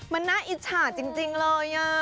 มันน่าอิจฉาจริงเลย